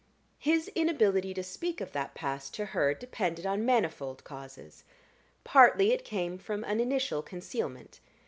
His inability to speak of that past to her depended on manifold causes. Partly it came from an initial concealment.